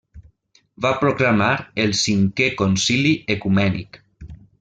Va proclamar el Cinquè Concili Ecumènic.